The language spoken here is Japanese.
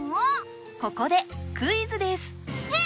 ここでクイズですえっ